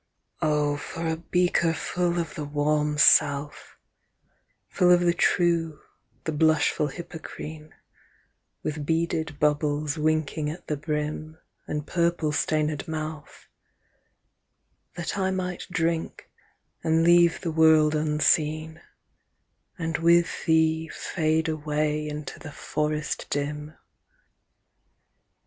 O for a beaker full of the warm South, Full of the true, the blushful Hippocrene, With beaded bubbles winking at the brim, And purple stained mouth; That I might drink, and leave the world unseen, And with thee fade away into the forest dim:3.